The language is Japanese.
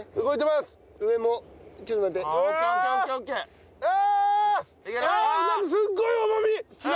すっごい重みが！